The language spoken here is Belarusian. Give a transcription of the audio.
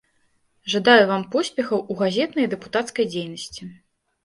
Жадаю вам поспехаў у газетнай і дэпутацкай дзейнасці!